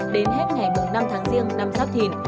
đến hết ngày một mươi năm tháng giêng năm giáp thìn